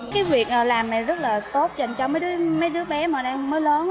cái việc làm này rất là tốt dành cho mấy đứa bé mà đang mới lớn